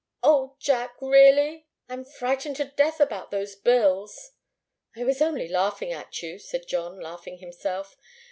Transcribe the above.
"Oh, Jack really? I'm frightened to death about those bills!" "I was only laughing at you," said John, laughing himself.